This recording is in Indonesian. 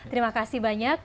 terima kasih banyak